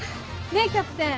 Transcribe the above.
ねっキャプテン。